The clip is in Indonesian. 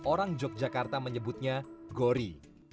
orang yogyakarta menyebutnya gori